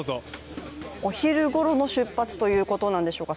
お昼ごろの出発ということなんでしょうか。